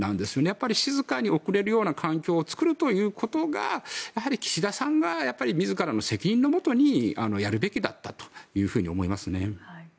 やっぱり静かに送れるような環境を作るということが岸田さんが自らの責任のもとにやるべきだったと思いますね。